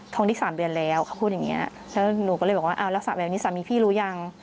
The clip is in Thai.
ได้๓เดือนแล้วเขาพูดอย่างเงี้ยแล้วหนูก็เลยบอกว่าอ้าวรักษาแบบนี้สามีพี่รู้ยัง